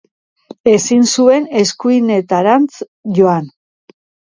Ezin zuen eskuinetarantz joan.